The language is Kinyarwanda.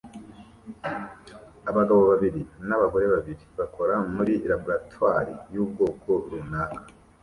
Abagabo babiri n'abagore babiri bakora muri laboratoire y'ubwoko runaka